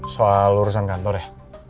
soal urusan kantor ya